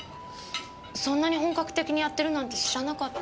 そんなに本格的にやってるなんて知らなかった。